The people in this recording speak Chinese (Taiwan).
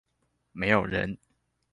沒有人